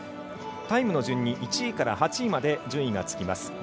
タイムの順に１位から８位まで順位がつきます。